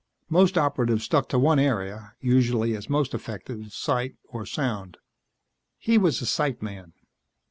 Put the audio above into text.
Most Operatives stuck to one area usually, as most effective, sight or sound. He was a sight man.